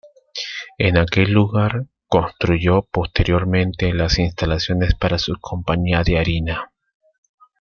En aquel lugar, construyó posteriormente las instalaciones para su compañía de harina.